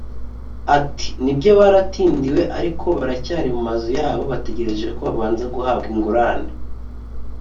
Ati “Ni byo baratindiwe ariko baracyari mu mazu yabo bategereje ko babanza guhabwa ingurane [